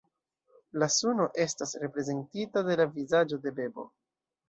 La suno estas reprezentita de la vizaĝo de bebo.